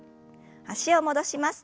脚を戻します。